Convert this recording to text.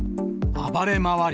暴れ回り。